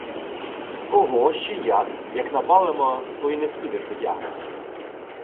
— Ого! Ще й як! Як напалимо, то й не всидиш одягнений.